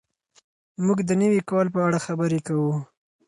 موږ د نوي کال په اړه خبرې کوو.